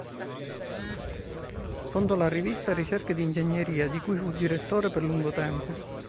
Fondò la rivista "Ricerche di ingegneria", di cui fu direttore per lungo tempo.